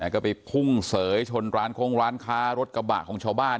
ก็ไปพุ่งเสยชนร้านโค้งร้านค้ารถกระบะของชาวบ้าน